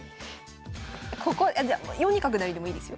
ここ４二角成でもいいですよ。